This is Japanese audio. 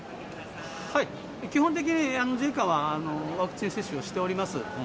基本的に自衛官はワクチン接種をしております。